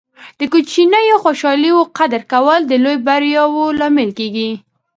د کوچنیو خوشحالۍو قدر کول د لویو بریاوو لامل کیږي.